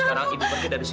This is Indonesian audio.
sekarang ibu pergi dari sini